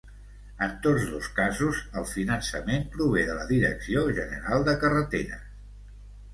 En tots dos casos, el finançament prové de la Direcció General de Carreteres.